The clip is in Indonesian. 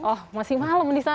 oh masih malam di sana